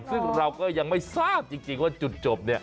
ซึ่งเราก็ยังไม่ทราบจริงว่าจุดจบเนี่ย